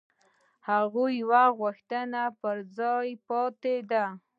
خو یوه غوښتنه پر خپل ځای پاتې ده.